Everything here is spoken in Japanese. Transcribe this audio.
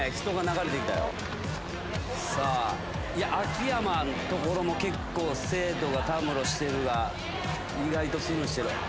秋山の所も結構生徒がたむろしてるが意外とスルーしてる。